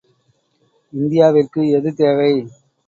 இந்தியாவிற்கு எது தேவை?